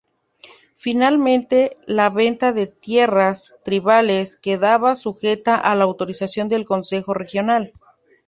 Finalmente la venta de tierras tribales quedaba sujeta a la autorización del consejo regional.